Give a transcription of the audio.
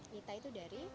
nita itu dari